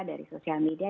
dari sosial media